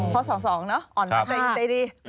เพราะสองเนอะอ่อนใจดี